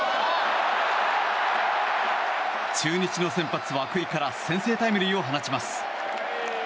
中日の先発、涌井から先制タイムリーを放ちます。